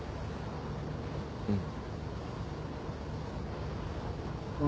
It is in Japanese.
うん。